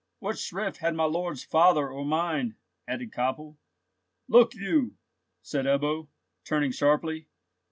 "What shrift had my lord's father, or mine?" added Koppel. "Look you!" said Ebbo, turning sharply.